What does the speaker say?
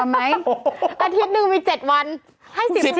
พอไหมอาทิตย์หนึ่งมี๗วันให้๑๐ชิ้น